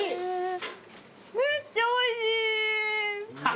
めっちゃおいしい。